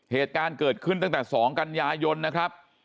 เหตุการณ์เกิดขึ้นตั้งแต่๒กันยายนนะครับ